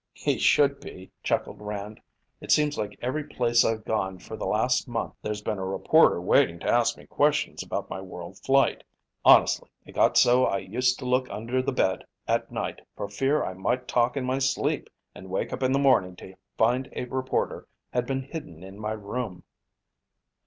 "He should be," chuckled Rand. "It seems like every place I've gone for the last month there's been a reporter waiting to ask me questions about my world flight. Honestly, it got so I used to look under the bed at night for fear I might talk in my sleep and wake up in the morning to find a reporter had been hidden in my room."